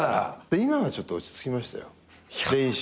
今はちょっと落ち着きましたよ練習は。